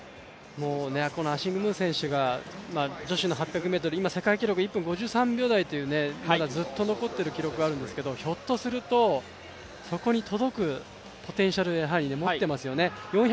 もうアシング・ムー選手が女子の８００ｍ、今、世界記録１分５３秒台という、まだずっと残っている記録があるんですけどひょっとするとそこに届くポテンシャル持ってますよね。